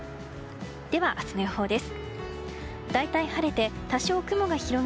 では、明日の予報です。